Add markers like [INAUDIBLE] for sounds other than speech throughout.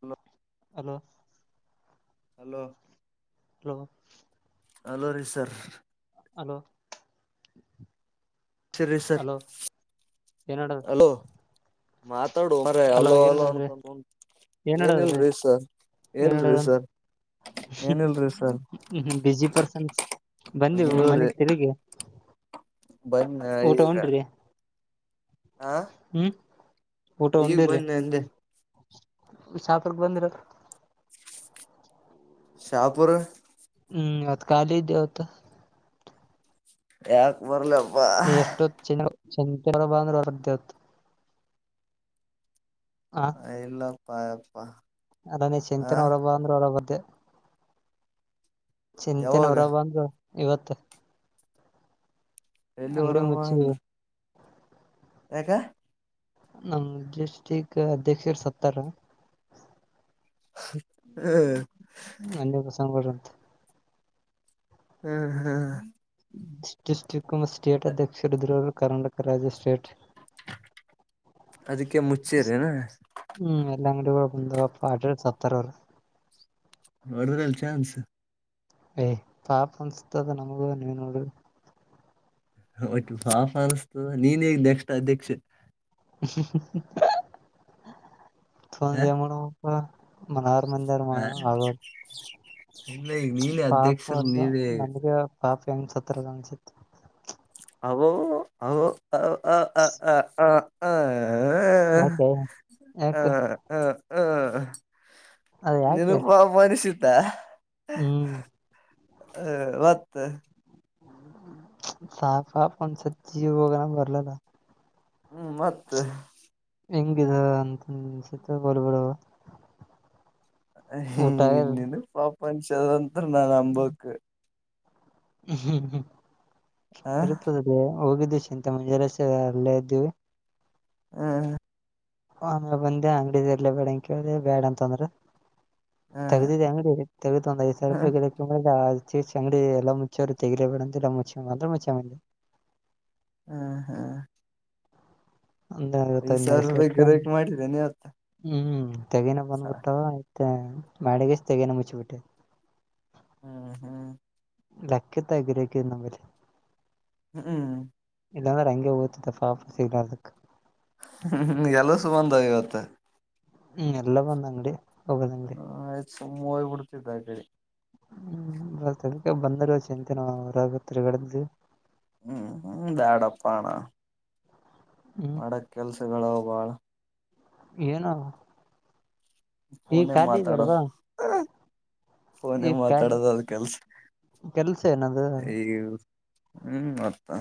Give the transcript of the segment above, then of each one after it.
ಹಲ hello hello hello hello ರೀ sir hello ಸರಿ ಸರ್ ಹಲೋ ಏನಡ ಹಲೋ ಮಾತಾಡುವ ಮಾರಾಯ ಹಲೋ ಹಲೋ ಅನ್ಕೊಂಡ ಕುಂತ ಏನ ಏನ್ಡದ್ರಿ ಇಲ್ರಿ ಸರ್ ಏನಲ್ರಿ ಸರ್ ಏನಿಲ್ರಿ ಸರ್ ಬಿಸಿ ಪರ್ಸನ್ಸ್ ಬಂದವು ಮನೆಗ್ ತಿರುಗಿ ಬನ್ನ ಊಟ ಈಗ ಉಂಡ್ರಿ ಆ ಹ್ಮ್ ಈಗ ಬನ್ನ ಅಂದೆ ಶಾಪುರಕ ಬಂದರ ಶಾಪುರ ಹ್ಮ್ ಇವತ್ತು ಕಾಲಿ ಇದ್ದೇವ ಇವತ್ತ. ಯಾಕ ಬರ್ಲಪ್ಪ. ನೀ ಎಷ್ಟೊತ್ ಚ ಚಿಂಟ್ಟರ ಅಂದ್ರೆ ವರದ್ದಿ ಆತು ಹಾ ಇಲ್ಲಪ್ಪಾಯಪ್ಪಾ ಅಲ್ಲ ನೀ ಚಿಂತನ ಹೊರಬ ಅಂದ್ರೂ ಹೊರಗ ಬರ್ದೆ ಚಿಂತೆನ ಯಾವಾಗ ಹೊರ ಬಂದು ಇವತ್ತ ಎಲ್ಲಿ ಹೊರಗ ಬಾ ಅನ್ನು ಯಾಕೆ ನಮ್ ಗೆಷ್ಟಟಿಕ್ ಅಧ್ಯಕ್ಷರು ಸತ್ತಾರ ಹ್ಮ್ ನಂದೆ ಪ್ರಸಂಗ ಬಂತೆ ಹ್ಮ್ ಹ್ಮ್ ಡಿಸ್ಟ್ರಿಕ್ ಕುಮಾರ್ ಸ್ಟೇಟ್ ಅಧ್ಯಕ್ಷರುದ್ರರು ಕರ್ನಾಟಕ ರಾಜ ಸ್ಟ್ರೇಟ್ ಅದಕ್ಕೆ ಮುಚ್ಚಿರಿನಾ ಹ್ಮ್ ಎಲ್ಲ ಅಂಗಡಿಗಳು ಬಂದವಪ್ಪ ಅಟ್ರ ಸತ್ತಾರ ಅವರು ಒಡ್ರಲ್ಲ ಚಾನ್ಸ್ ಏಯ್ ಪಾಪ ಅನ್ಸತದ ನಮಗ ನೀವ ನೋಡಿ ಯ್ತು ಬಾಫ ಅನಿಸ್ತದ ನೀನ್ಗ್ ನೆಕ್ಸ್ಟ್ ಅಧ್ಯಕ್ಷೆ ಹ [UNINTELLIGIBLE] ಮಂದರ ಹ ಆಗ ಇಲ್ಲ [UNINTELLIGIBLE] ಪಾಪ ಅಧ್ಯಕ್ಷರು ಅದು ನೀವೇ ನಮ್ಗೆ ಪಾಪ ಹೆಂಗ ಸತ್ತಲ್ಲ ಅನ್ಸತ್ತು [UNINTELLIGIBLE] ಯಾಕ ಯಾಕ ಹ ಹ ಹ್ಮ್ ಅದ ಯಾಕೆ ನಿನಪಾಮಾನಿಸಿತಾ ಹ್ಮ್ ಹ ಒತ್ತು ಸಾಫ ಪ ಸಜೀವ ಒಗ್ರಾಮ ಬರ್ಲಲ್ಲ ಹ ಮತ್ತು ಹೆಂಗಿದ ಅಂತನ್ಸತ್ತಗಲ್ಬಡ ನ್ನನ್ ಪಾಪ ಅನ್ಷದಂ ನಾ ಅಂಬಕ್ ಹ್ಮ್ ಹ್ಮ್ ಹ ಇರ್ತದದೆೇ ಹೋಗಿದ್ದು ಚಿಂತ ಮಂಜೆಷ್ಟ ಅಲ್ಲೇ ಇದ್ದೀವಿ ಹ್ಮ ಆಮೇಲೆ ಬಂದೆ ಅಂಗಡಡಿ ಎಲ್ಲ ಬ್ಯಾಡಂಗ ಕೇಳ್ದೆ ಬ್ಯಾಡ ಅಂತ ಅಂದ್ರ ಹ ತಗಿದಿದೆ ತಗಐ ಸ ಹ ರಪ ಅಂಗಡಿ ಎಲ್ಲ ಮುಚ್ಚೆವರು ತೆಗಲೇಡಂತ ಎಲ್ಲ ಮುಚ್ಚೆ ಅಂದ್ರೆ ಮುಚ್ಚೆ ಹಾ ಹಾ ಒಂದ್ ಐದು ಐವತ್ತೊಂದ್ ಸಾವಿರ ಐದ್ ರೂಪ ಗ ರೂಪಾಯಿ ಬ್ರಕ್ ಮಾಡಿದ್ದೇ ನೀವ ಹ್ಮ್ ತೆಗನ ಬಂದ್ಬಿಟ್ಟು ಆಯ್ತ ಮಾಡಿಗೆಷ್ಟ ತೆಗನ ಮುಚ್ಚಬಿಟ್ಟೆ ಹ್ಮ್ ಹ್ಮ್ ಲಕ್ಕ ತ ಆಗ್ರಿ ಇಂದ ಹ್ಮ್ ಹ್ಮ್ ಇಲ್ಲಾಂದ್ರೆ ಹಂಗೆ ದ್ತ ಪಾಪ ಸಿಗಲಾರದಕ್ ಹ್ಮ್ ಎಲ್ಲ ಸುಮಂಧ ಇವತ್ತ ಹ್ಮ್ ಎಲ್ಲ ಬಂದ್ ಅಂಗಡಿ ಹೋಗೋದ ಅಂಗಡಿ ಆಯ್ತು ಸುಮ್ಮ ಹೋಗ್ಬ ಬಿಡ್ತಿದ್ದ ಗಡಿ ಹ್ಮ್ ಬ ಬಂದ ಚಿಂತ ನರಗತ್ಗಡ್ದು ಹ್ಮ್ ಬೇಡಪ್ಪಣ ಹ್ಮ್ ಮಾಡ ಕೆಲ್ಸಗಳಾವ ಭಾಳ ಏನು ಈ ಫೋನೇ ಕಾದಿದಲ್ವಾ ಫೋನ ಮಾತಾಡೋದ ಅದು ಕೆಲ್ಸ ಕೆಲ್ಸ ಏನದು ಈ ಹ್ಮ್ ಮತಾ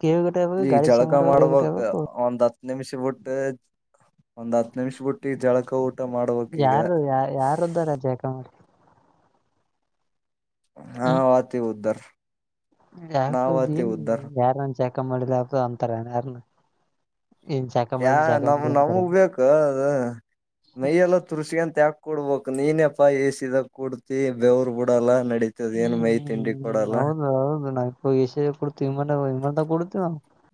ಕೆವ ಈಗ ಚಳಕ ಮಾಡ್ಬೇಕಕ್ ಒಂದ್ ಹತ್ತು ಹತ್ತು ನಿಮಿಷ ಬಿಟ್ಟ ಒಂದ್ ಹತ್ತು ನಿಮಿಷ ಬಿುಟ್ಟಿ ಜಳಕ ಊಟ ಮಾಡ. ಯಾರು ಯ ಯಾರ ಇದಗ್ಗ ರಜೆ ಹಾಕಮ್. ಹ್ಮ್ ನಾವ್ ಆತೀವಿ ಉದ್ದರ್. [UNINTELLIGIBLE] ಏನ್ ಜಾಕ ಯಾ ಮಾಡಿದ ಜಾಕ ನಮ ಮಾಡಿ ಅಂತಾರ ನಮಗ್ ಬೇಕೊ ಅದ್ ಮೈಯ ಎಲ್ಲ, ತುರ್ಸಗೆಂತ್ ಯಾಕ್ ಕೊಡ್ಬಬೇಕಕ್ ನೀನಪ್ಪಾ ಎಸಿದಾಗ ಕುಡ್ತಿ ಬೆೇವ್ರ ಬಿಡಲ್ಲಾ. ನಡತಿ [UNINTELLIGIBLE] ಏನ ಮೈ ತಿಂಡಿ ಕೊಡಲ್ಲ. [INAUDIBLE] ಎಸಿದಾಗ್ ಕುಡ್ತಿವಿ ವಿಮಾನನ್ದಗಾ ಕುಡ್ತಿವಿ.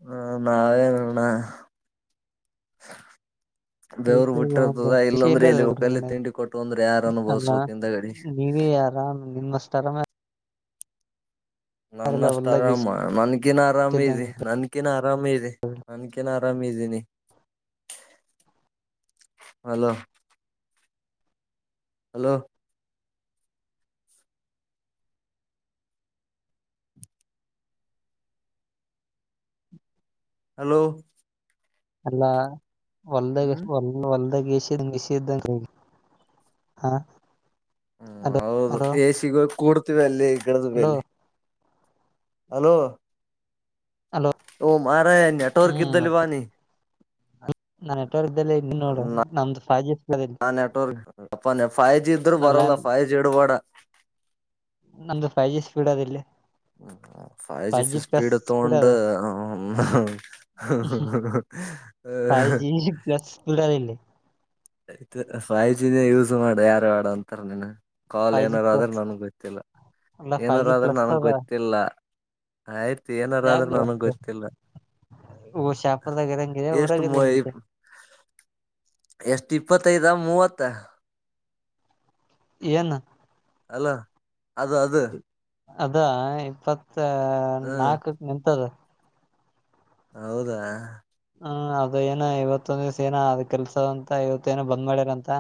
ಹ್ಮ ನಾವೇನಣ್ಣ. ದೇವ್ರರು ಏಷ್ಯಾಗ ಒಂದು ಬಿಟ್ಟಿರ್ತದ ಇಲ್ಲ ವಿಷಯಲ್ಲೇ ಅಂದ್ರೆ ಎಲ್ಲಿಬೇಕ ಬಿಡ್ರಿ ಅಲ್ಲಿ ಮನ್ಯಾಗ ತಿಂಡಿ ಕೊಟ್ಟು ಅಂದ್ರೆ ಯಾರು ಹಾರ್ಸ್ಬೆಕು ಹಿಂದ ಗಡಿಗಿ ನೀನೆ ಅರಾಮ್ ನಿನ್ನಷ್ಟ ಆರಂ. ನನ್ನ ಯಾರಲ್ಲ ಅಷ್ಟ್ ಹೊಲ್ದಾಗ ಆರಾಮ ಏಷ್ಯ ನನ್ಕಿನ್ ಆರಾಮ ಇದಿ. ಇದ್ದಂಗ ನನಕ್ಕಿಂನ್ ಆರಾಮ ಇದದಿ ನನ್ಕನ್ ಆರಾಮ ಇದೀನಿ. ಹಲೋ. ಹಲೋ, ಹಲೋ, ಅಲ್ಲ ಹೋಲ್ಡಾಗ್ ಹ್ಮ್ ಎಷ್ಟ್ ಎ ಹೊಲ್ದಾಗ ಎಸಿದಂಗ ಎಸಿದ್ದಂಗ ಹಾ ಹ್ಮ್ ಅಲೋ ಹೌದು ಅಲೋ ಎ ಸಿಗ ಕೂಡ್ತಿದಿ ಅಲ್ಲಿ ಗಿಡದ ಅಲೋ ಬಲ್ಲಿ ಹಲೋ ಅಲೋ ಓ ಮಾರಾಜ ನೆಟವರ್ಕ್ ಹ್ಮ್ ಕ್ದಲಿ ಮತ್ತೆ ಬಾನೀ. ನಾನ್ ನೆಟ್ವರ್ಕ್ ಇದ್ದಲ್ಲೇ ಇದ್ ನೋಡ ನಮ್ದು ಫೈವ್ ಜಿ ಯಾ ನೆಟ್ವರ್ಕ್, [UNINTELLIGIBLE] ಫೈವ್ ಜಿ ಇದ್ರ ಅಲ್ಲ ಬರಲ್ಲ ಫೈವ್ ಜಿ ಇಡ್ಬೇಡ. ನಮ್ದು ಫೈ ಜಿ ಸ್ಪೀಡ್ ಅದ ಇಲ್ಲಿ. ಹ್ಮ್ five G five plus speed ತೊಂಡ, ಅದ [INAUDIBLE] ಜಾಸ್ತಿ ಸ್ಪೀಡ್ ಆದ್ ಇಲ್ಲಿ. ಆಯ್ತ್ ಫೈಜೀನೆ ಯೂಸ್ ಮಾಡು ಯಾರ ಬೆಡ್ ಅಂತಾರ ನಿನಗ. ಕಾಲ್ ಫೈವ್ ಜಿ ಏನಾರ ಆದ್ರ ಪ್ಲಸ್ ನನ್ಗ್ ಗೊತ್ತಿಲ್ಲ. ಅಲ್ಲ ಫೈವ್ ಜಿ ಏನಾರಾದ್ರ ಪ್ಲಸ್ ನನ್ಗ್ ಅದ ಗೊತ್ತಿಲ್ಲ. ಆಯ್ತು ಏನಾರ ಆದ್ರೂ ಯಾಕ ನನ್ಗ್ ಗೊತ್ತಿಲ್ಲ. ಎಷ್ಟು [UNINTELLIGIBLE] ಎಷ್ಟ ಇಪ್ಪತ್ತೈದ, ಮೂವತ್ತ, ಏನ ಅಲ್ಲ ಅದು ಅದು. ಅದ ಇಪ್ಪತ್ ಹ್ಮ್ ನಾಲ್ಕಕ್ ನಿಂತದ. ಹೌದಾ, ಹ್ಮ ಅದ ಏನ ಇವತ್ತೊಂದ್ ದಿವ್ಸ ಏನ ಅದ ಕೆಲ್ಸ ಅಂತ ಇವತ್ತಏನೋ ಬಂದ್ ಮಾಡ್ಯಾರಂತ.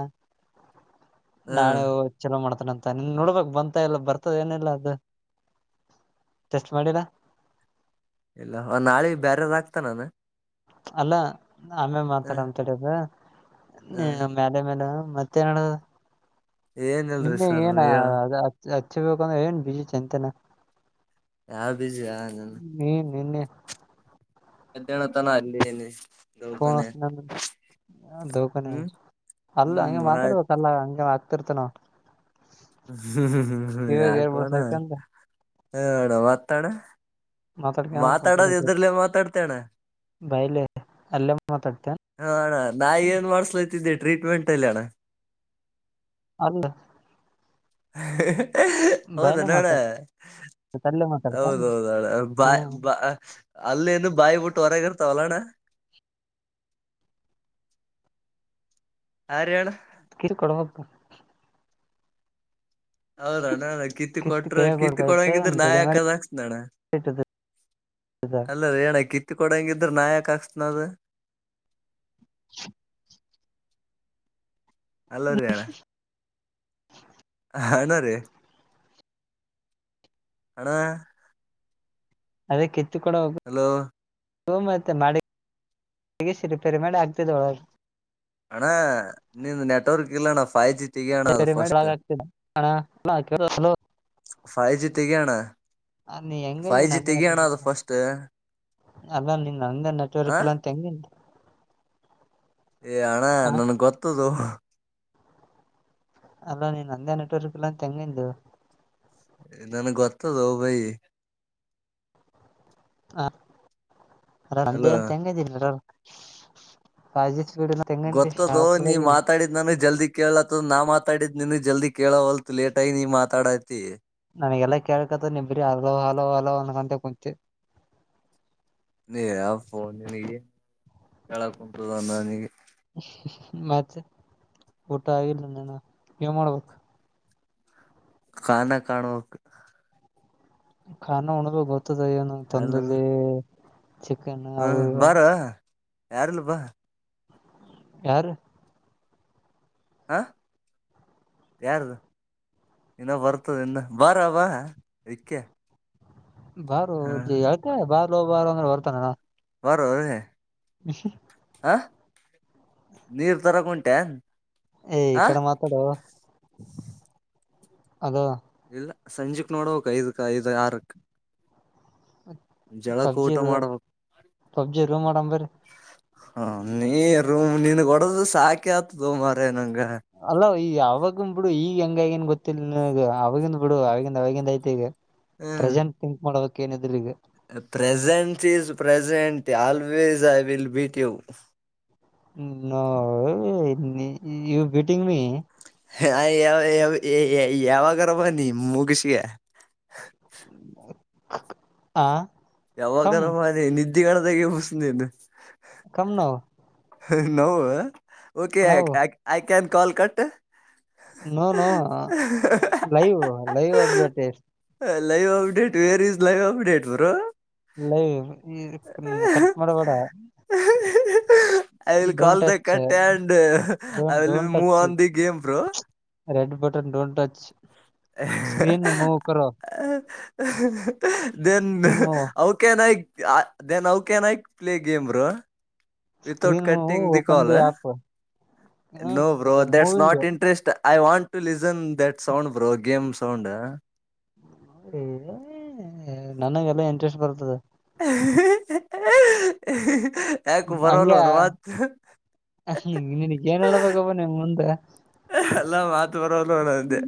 ಹ್ಮ್ ನಾಳೆ [UNINTELLIGIBLE] ಚಾಲೋ ಮಾಡ್ತಾರ್ ಅಂತ ನೀನ್ ನೋಡ್ಬೇಕ್ ಬಂತ ಇಲ್ಲ ಬರ್ತದ ಏನಿಲ್ಲ ಅದು ಟೆಸ್ಟ್ ಮಾಡಿಲ್ಲ. ಇಲ್ಲ ನಾಳೆ ಬೆರೆವರು [UNINTELLIGIBLE] ಅಲ್ಲ ಆಮೆಗ್ ಹ ಮಾತಾಡಂ ತಡಿ ಇಗ. ಹ [UNINTELLIGIBLE] ಏನಲ್ರಿ ನಿನ್ನೆ ಸರ್ ಏನ ಹೇಳ ಅದ ಹಚ್ಚಬೇಕಂದ್ರೆ ಏನ್ ಬಿಜಿ ಚಂತನ. ಯಾವ ಬಿಜಿ ಯಾ ನಿನ್. ನೀ ನಿನ್ನೆ. ಅಂತ ಹೇಳತಾನ ಅಲ್ಲೇ ಇಲ್ಲಿ ಹೋತನೆ. ದೂಖನ ಅಲ್ಲ ಹ್ಮ್ ಹಂಗೆ ಆಯ್ತು ಮಾತಾಡ್ಬೇಕ ಅಲ್ಲಾ ಹಂಗೆ ಆಗ್ತಿರ್ತ ನಾವ ಹ್ಮ್ ಯಾಕಣ ಏರ್ಬಡ್ಸ್ ಹಾಕ್ಯಂದ ಅಣ್ಣ ಒತ್ತಣ. ಮಾತಾಡ್ಕ್ಯಾಂದ್ ಕುತ್ಬಿಡದು ಮಾತಾಡ್ತೆ ಅಣ್ಣ ಬಾಯ್ಲಿ ಅಲ್ಲೇನ್ ಮಾತಾಡ್ತ್ಯ. ಹಾ ಅಣ್ಣ ನಾ ಏನ್ ಮಾಡ್ಸಲಿ ಅಂತಿದ್ದೆ ಟ್ರೀಟ್ಮೆಂಟ್ ಅಲ್ಲಿ ಅಣ್ಣಾ. ಅಂದ್ ಹಾ ಹಾ ಹೌದಾ ಬಾಯ್ಲೆ ನೋಡ ಮಾತಾಡ್ ಅಲ್ಲೇ ಮಾತಾಡ್ತ ಹೌದೌದ ಬ ಹ್ಮ್ ಬ - ಅಲ್ಲೇಏನು ಬಾಯಿ ಬಿಟ್ಟು ಹೊರಗೆ ಇರ್ತಾವಲ್ಲ ಅಣ್ಣ. ಯಾರ್ ಹೇಳು. ಕಿರ್ಕಡ ಹಬ್ಬ ಹೌದಣ್ಣ ಕಿತ್ತಿ ಕಿತ್ತು ಕೊಟ್ರ ಕೈಯಾಗ ಕಿತ್ತ್ ಕೊಡ್ಬೇಕಾಯ್ತು ಕೊಡಂಗಿದ್ರ ನಾ ರೆಡಿ ಮಾಡಿ ಯಾಕಅದ ಹಾಕ್ಸನಣ್ಣ. ಇಟ್ಟಿದ್ದ ಅಲ್ಲ ಲೇ ಅಣ್ಣ ಕಿತ್ತ ಕೊಡಂಗಿದ್ರ ನಾ ಯಕ್ ಹಾಕ್ಸ್ನ್ಅದು. [INAUDIBLE] ಅಲ್ಲರಿ ಹಣ ಹಣ್ಣ ರೀ ಅಣ್ಣ ಅದೇ ಕಿತ್ತು ಕೊಡ ಹೋಗ್ ಹಲೋ ಹ ಮತ್ತೆ ಮಾಡಿ ರಿಪೇರಿ ಮಾಡಿ ಆಗ್ತದ ಒಳಗೆ. ಅಣ್ಣ ನಿನ್ ನೆಟ್ವರ್ಕ್ ಇಲ್ಲಣ್ಣ ಫೈವ್ ಜಿ. ತೆಗಿ ಅಣ್ಣ ಅದು ಫಸ್ಟ್ [UNINTELLIGIBLE] ಫೈವ್ ಜಿ ತೆಗ್ಯಣ. ನೀ ಎಗ್ಂದಿ ನಂದೆ ಫಸ್ಟ್ ಅದ ನಂದ ಆ ನೆಟ್ವರ್ಕ್ ಇಲ್ಲ ತೆಂಗಿ ಏ ಅಣ್ಣ ನನ್ಗ ಗೊತ್ತದು. ಅಲ್ಲೋ ನೀನ್ ನಂದೇ ನಟವರ್ಕ್ ಇಲ್ಲ ಅಂತ ಹೆಂಗ್ ಅಂದು. ನನ್ಗ ಗೊತ್ತದ ಭೈ. ಹ ಅಲ್ಲಣ್ಣ ನಂದೆ ಅಲೋ ಅಂತ ಹೆಂಗ್ ಹೇಳ್ದೆ ನೀನು [UNINTELLIGIBLE] ಗೊತ್ತದೊ ನೀ ಮಾತಾಡಿದ್ ನಾನಗ್ ಜಲ್ದಿ ಕೇಳದು ನಾ ಮಾತಾಡಿದ್ ನಿನಗ್ ಜಲ್ದಿ ಕೇಳವಲ್ದು ಹೊಲ್ತ್ ಲೇಟ್ ಆಗಿ ನೀ ಮಾತಾಡತಿ. ನನಿಗೆಲ್ಲಾ ಕೇಳ್ಕತ್ ನಿ ಬರಿ ಹಲೋ ಹಲೋ ಹಲೋ ಅನ್ನ ಕುಂತಿ. ನೀರಾ ಫೋನ್ನಿಗೆ ಹೇಳಕ್ ಕುಂತಾದ ಅನ್ನನಿಗೆ. ಮತ್ತೆ ಊಟ ಆಗಿಲ್ಲನ್ನ ಏನ್ ಮಾಡ್ಬೇಕು. ಕಾನ ಕಾಣ್ಬೇಕು. ಕಣ ಉಣಬೇಕ್ ಗೊತ್ತದ ಏನ ತಂದ್ ಅಲ್ ಇಲ್ಲಿ. ಹ್ಮ್ ಬಾರೋ ಯಾರಿಲ್ಲ ಬಾ. ಯಾರು ಹಾ ಯಾರದು ಇನ್ನ ಬರ್ತದ ಇನ್ನ ಬಾರವಾ ಇಕ್ಕೆ ಬಾರೊ ಹ ಹೆಳ್ಕ ಬಾರೊ ಬಾರೊ ಅಂದ್ರೆ ಬರ್ತಾನಣ. ಬರೊ ಎ ಹಾ ಹಾ ಹ ನೀರ್ ತರಕ್ ಹೊಂಟಿ. ಏ ಇ ಕಡೆ ಮಾತಾಡು ಅದು ಇಲ್ಲ ಸಂಜೆಕ್ ನೋಡಕ್ ಐದ ಐದ್ ಆರಕ್ ಜಳಕ್ಕೆ ಪಬ್ಜಿ ಊಟ ಮಾಡಬೇಕ ಪಬ್ಜಿ ರೂಮ್ ಮಾಡಂಬರಿ ಹ ನೀ ರೂಮ್ ನಿನ್ ಹೊಡದು ಸಾಕಿ ಆತದ ಮಾರಾಯ ನಂಗ ಅಲ್ಲ ಈಗ ಅವವಾಗಿನ್ ಬಿಡು ಈಗ ಹೆಂಗಗೇನ್ ಗೊತ್ತಿಲ್ಲಗ ಅವವಾಗಿಂದ ಬಿಡು ಅವವಾಗಿಂದ ಅವವಾಗಿಂದ ಐತಿ ಈಗ ಹ್ಮ್ ಪ್ರೆಸೆಂಟ್ ಥಿಂಕ್ ಮಾಡದಿಕ್ಕೆ ಏನಿದ್ರ ಇದೆ present is present always I will beat you now you beating me ಯ ಯ ಯ ಯಾವಗ ಬಾ ನೀ ಮುಗಿಸಿಗೆ ಆ ಕಮ್ ಯಾವಾಗರ ಮನೆ ನಿದ್ದೆ ಕದಾಗ ಬಸ ನೀನು come on no okay now I can call cut no no live live update ಇರ್ live update where is live update ಬರೋ ಲ್ಲೈ ಈ ಕಟ್ ಮಾಡಬಡ I will don't call the touch cut and I will don't move touch on the game bro red button ಡೋಟ್ touch ಹ ಹ ಮೂ ಕೋ [UNINTELLIGIBLE] then screen move how can I then ಔ can I play game ರ without screen move cutting the open call app no bro that's moving not interest I want to listen that sound bro game sound ನನಗೆ ಎಲ್ಲ interest ಬರ್ತದೆ ಹ [INAUDIBLE] ಹಂಗಿನಗ್ ಏನ್ ಹೇಳ್ಬೇಕಪ್ಪ ನಿಮ್ ಮುಂದೆ ಎಲ್ಲ ಮಾತು ಬರಲ್ವನು ಅಂದೆ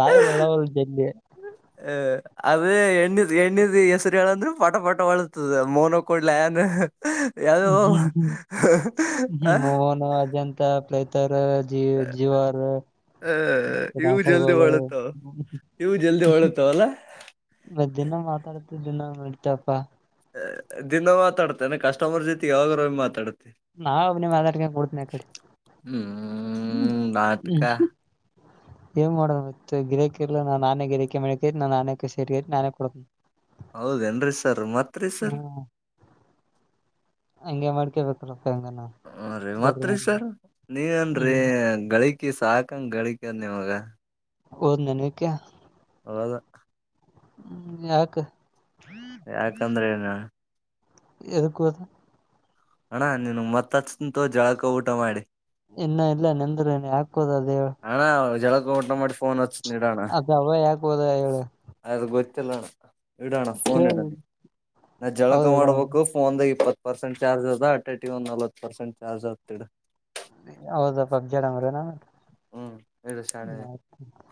ಭಾಯ ವಳಾವಲು ಜದೆ ಅ ಅದೇ ಎಣ್ಣ ಎಣ್ಣಿದ ಹೆಸರುಂದ್ರರು ಪಟ ಪಟ ಅಳತದ ಮೋನ ಕೊಡ್ಲ ನ್ ಯಾವ್ದೋ ಆ ನಜಂತ ಪಲೈತರ ಜ ಜೀವ ಮತ್ತ್ತೆ ಇವು ಬಾನ್ಸ ಜಲ್ದಿ ರ್ಬೋಳ ಹೊಳತಾವ ಇವು ಜಲ್ದಿ ಹೊಳತಾವಲ್ಲ ಮ ದಿನ ಮಾತಾಡ್ತ ದಿನ ಮಾಡ್ತಪ್ಪಾ ದಿನ ಮಾತಾಡುತ್ತೆ ಅಂದ ಕಸ್ಟಮರ್ ಜೊತೆ ಯಾವಾಗರೂ ಮಾತಾಡುತ್ತೆ ನಾವ ಒಬ್ಬನೇ ಮಾತಾಡ್ತಾ ಅಂತ ಕೊಡ್ತನ ಕಡೆ ಹ್ಮ ಹ್ಮ್ ನಾಟಕ ಹ ಏ್ ಮಾಡೋ್ ಮತ್ತ ಗಿರಿಕಿರ್ಲ್ಲ ನಾನ್ ನಾನೇ ಗಿರಿಕೆ ಮಿಕೈ ನನ್ ನಾನಕ ಸೇಕರಿ ನಾನೇ ಕೊಡ ಹೌದೇಏನ್ರೀ ಸರ್ ಮತ್ರಿ ಸರ್ ಹ್ಮ್ ಹಂಗೆ ಮಾಡ್ಕೇಬೇಕ್ರಪ್ಪ ಹೆಂಗ ನ ಹ ರೀ ಮತ್ ಸರ್ ನೀವೇನ್ರೀ ಹ್ಮ್ ಗಳಿಕಿ ಸಾಕಂಗ ಗಳಿಕ ಅದ ನಿವಾಗ ಹಓದ್ ನನ್ವಕ್ಕೆ ಹೋದ ಹ್ಮ ಯಾಕ ಯಾಕಂದ್ರೆ ಏನು ಹೇಳ್ ಎದುಕ್ಕೂದ ಅಣ್ಣ ನೀನು ಮತ್ತತ್ಚ್ಂತು ಜಳಕ ಊಟ ಮಾಡಿ. ಇನ್ನ ಇಲ್ಲ ನಿಂದ್ರೇ ಹಾಕೋುದ ದೇ ಹಣ್ಣ ಜಳ ಕೋ ಊಟ ಮಾಡಿಫೋನ್ ಹಚ್ ಅದ ಅವ ಯಾಕ ಹೋದ ಹೇಳ ಅ ಗೊತ್ತಿಲ್ಲಣ್ಣ ಇಡೋಣ ಫೋನ್ ಕೇಳಿ ಇಡೋಣ ನಾ ಜಳಕ ಹೌದಡ ಮಾಡ್ಬೇಕು. ಫೋನ್ಗ ಇಪ್ಪತ್ತು ಪರ್ಸೆಂಟ್ ಚಾರ್ಜ್ ಅದ ನಲವತ್ತು ಪರ್ಸೆಂಟ್ ಚಾರ್ಜ್ ಇಡು ಹೌದಾ ಪಬ್ಜಿಡಂಗ್ರ ನ ಹ್ಮ್ ಹೇಳು ಶಾಣೆ. [INAUDIBLE]